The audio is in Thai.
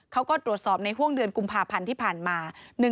เขาก็ตรวจสอบในห่วงเดือนกุมภาพันธ์ที่ผ่านมา